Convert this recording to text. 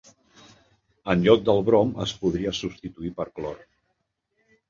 En lloc del brom, es podria substituir per clor.